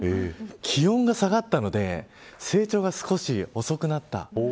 気温が下がったので成長が少し遅くなった。